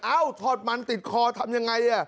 อ้าวถอดมันติดคอทำอย่างไร